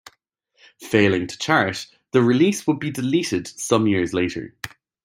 Failing to chart, the release would be deleted some years later.